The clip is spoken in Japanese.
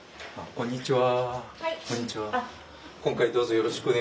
こんにちは。